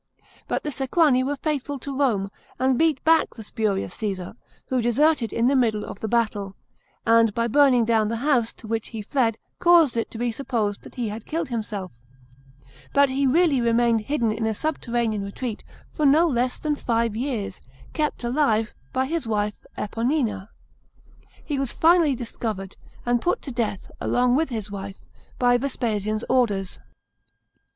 But the Sequani were faithful to Rome, and beat back the spurious Caesar, who deserted in the middle of the battle, and by burning down the house to which he fled caused it to be supposed that he had killed himself. But he really remained * Statius, Silv., i. 4. 90: Captivaeque preces Veledse. 360 REBELLIONS IN GERMANY AND JUDEA. CHAP, xx hidden in a subterranean retreat for no less than five years, kept alive by his wife Epponina. He was finally discovered, and put to death, along with his wife, by Vespasian's orders.